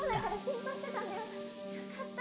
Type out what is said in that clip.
よかった。